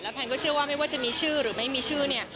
แล้วแพนก็เชื่อว่าไม่ว่าจะมีชื่อหรือไม่มีชื่อ